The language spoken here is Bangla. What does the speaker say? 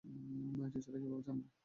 টিচাররা কিভাবে জানবে।